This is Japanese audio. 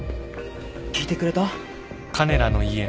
聞いてくれた？